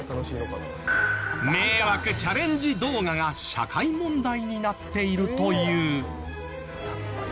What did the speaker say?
迷惑チャレンジ動画が社会問題になっているという。